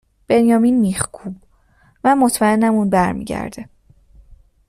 بنیامین میخکوب: من مطمئنم اون بر میگرده